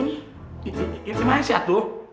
ini ini masih atu